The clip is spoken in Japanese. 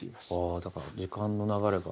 あだから時間の流れが。